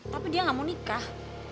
tapi dia nggak mau nikah